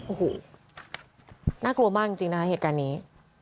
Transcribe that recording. โอ้โหน่ากลัวมากจริงนะคะเหตุการณ์นี้